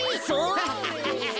ハハハハハ！